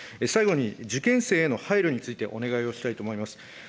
最後に、受験生への配慮について、お願いをしたいと思います。